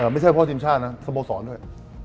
ไม่ใช่เพราะทีมชาตินะสโมสรด้วย